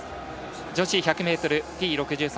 女子１００ｍＴ６３